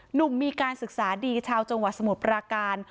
หนุ่มมีการศึกษาดีชาวจังหวัดสมุทรปราการ